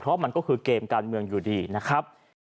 เพราะมันก็คือเกมการเมืองอยู่ดีนะครับ